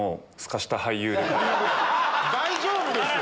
大丈夫ですよ！